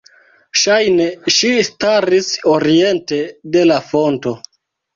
Ŝajne ŝi staris oriente de la fonto.